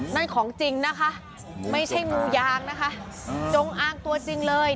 นั่นของจริงนะคะไม่ใช่งูยางนะคะจงอางตัวจริงเลย